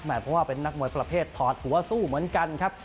เพราะว่าเป็นนักมวยประเภทถอดหัวสู้เหมือนกันครับ